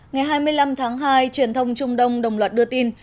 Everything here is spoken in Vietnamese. ngày hai mươi năm tháng hai truyền thông trung đông đồng loạt đưa tin